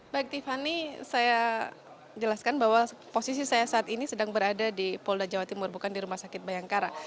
baik tiffany saya jelaskan bahwa posisi saya saat ini sedang berada di polda jawa timur bukan di rumah sakit bayangkara